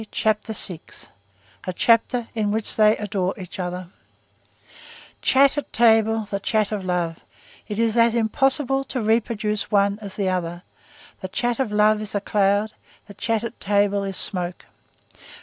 CHAPTER VI—A CHAPTER IN WHICH THEY ADORE EACH OTHER Chat at table, the chat of love; it is as impossible to reproduce one as the other; the chat of love is a cloud; the chat at table is smoke.